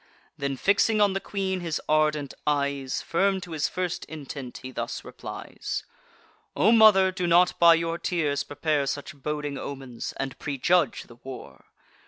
Then fixing on the queen his ardent eyes, Firm to his first intent, he thus replies: "O mother, do not by your tears prepare Such boding omens, and prejudge the war.